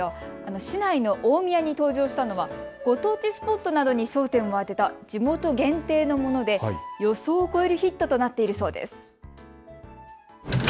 市内の大宮に登場したのはご当地スポットなどに焦点を当てた地元限定のもので予想を超えるヒットとなっているそうです。